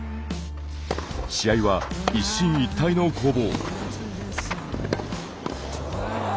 試合は一進一退の攻防。